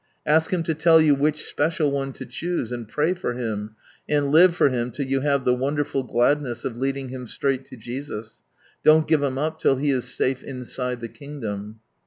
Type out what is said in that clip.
Ask Him to tell you which special one to choose, and pray for him, and live for him till you have the wonderful gladness of leading him straight to Jesus, Don't give him up till he is safe inside the kingdom.